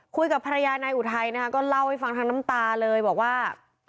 คุยกับภรรยานายอุทัยนะคะก็เล่าให้ฟังทั้งน้ำตาเลยบอกว่า